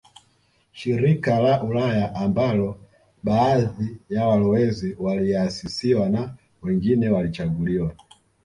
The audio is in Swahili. Shirika la Ulaya ambalo baadhi ya walowezi waliasisiwa na wengine walichaguliwa